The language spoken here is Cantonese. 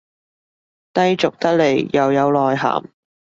低俗得來又有內涵